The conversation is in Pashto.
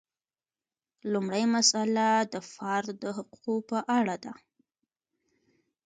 لومړۍ مسئله د فرد د حقوقو په اړه ده.